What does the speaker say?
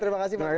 terima kasih pak